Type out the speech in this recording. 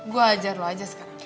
gue ajar lo aja sekarang